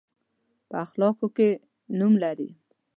په اخلاقو کې نوم لري.